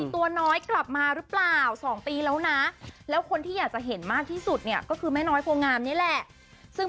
ตัวน้อยกลับมาหรือเปล่า๒ปีแล้วนะแล้วคนที่อยากจะเห็นมากที่สุดเนี่ยก็คือแม่น้อยโพงามนี่แหละซึ่ง